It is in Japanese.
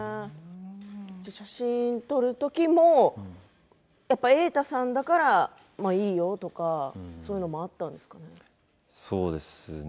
写真を撮るときも瑛太さんだからいいよとかそういうのもあったんですかね。